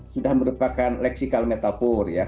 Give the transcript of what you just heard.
sudah merupakan leksikal metafor ya